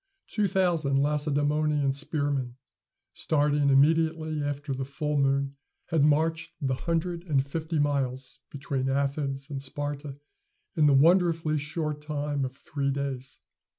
Two thousand Lacedæmonian spearmen, starting immediately after the full moon, had marched the hundred and fifty miles between Athens and Sparta in the wonderfully short time of three days.